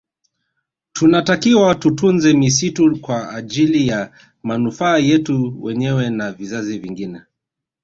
Tunatakiwa tutunze misitu kwa ajili ya manufaa yetu wenyewe na vizazi vingine